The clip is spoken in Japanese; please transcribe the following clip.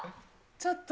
ちょっと。